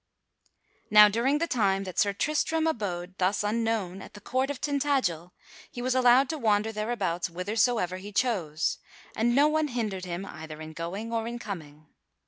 _ Now during the time that Sir Tristram abode thus unknown at the court of Tintagel, he was allowed to wander thereabouts whithersoever he chose, and no one hindered him either in going or in coming.